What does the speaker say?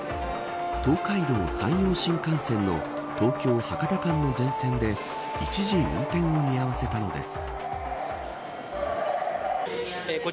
東海道・山陽新幹線の東京、博多間の全線で一時運転を見合わせたのです。